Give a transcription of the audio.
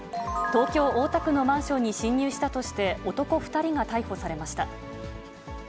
東京・大田区のマンションに侵入したとして、男２人が逮捕されました。